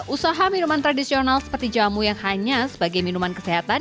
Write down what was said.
usaha minuman tradisional seperti jamu yang hanya sebagai minuman kesehatan